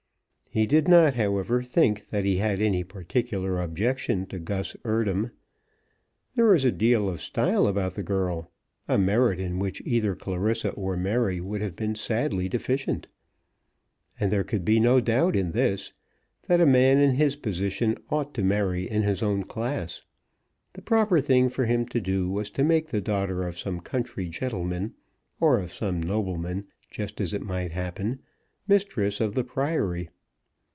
He did not, however, think that he had any particular objection to Gus Eardham. There was a deal of style about the girl, a merit in which either Clarissa or Mary would have been sadly deficient. And there could be no doubt in this, that a man in his position ought to marry in his own class. The proper thing for him to do was to make the daughter of some country gentleman, or of some nobleman, just as it might happen, mistress of the Priory.